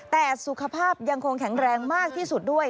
แต่สุขภาพยังคงแข็งแรงมากที่สุดด้วย